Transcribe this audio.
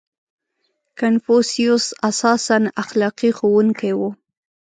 • کنفوسیوس اساساً اخلاقي ښوونکی و.